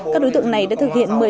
các đối tượng này đã thực hiện